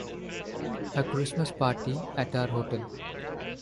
A Christmas party at our hotel?